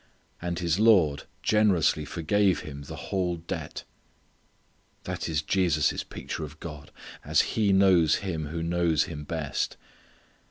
And his lord generously forgave him the whole debt. That is Jesus' picture of God, as He knows Him who knows Him best.